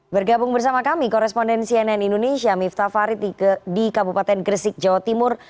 bergabung bersama kami koresponden cnn indonesia miftah farid di kabupaten gresik jawa timur